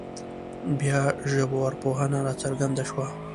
بیا ژبارواپوهنه راڅرګنده شوه